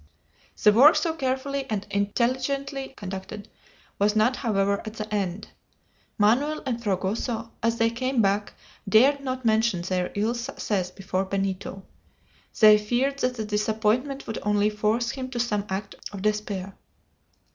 The work so carefully and intelligently conducted was not, however, at an end. Manoel and Fragoso, as they came back, dared not mention their ill success before Benito. They feared that the disappointment would only force him to some act of despair.